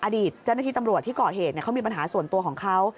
อดีตเจ้าหน้าที่ตำรวจที่ก่อเหตุเขามีปัญหาส่วนตัวของเขา